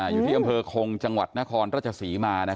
อยู่ที่อำเภอโขงจังหวัดนครรจศรีมานะครับ